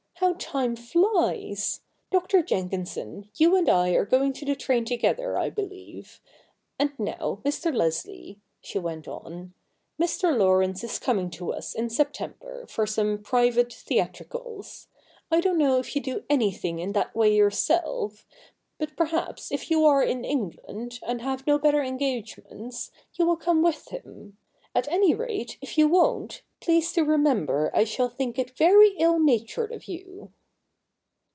' How time flies ! Dr. Jenkinson, you and I are going to the train together, I believe. And now, Mr. Leslie,' she went on, ' Mr. Laurence is coming to us, in September, for some private theatricals. I don't know if you do anything in that way yourself. But perhaps if you are in England, and have no better engagements, you will come with him. At any rate, if you won't, please to remember I shall think it very ill natured of you.'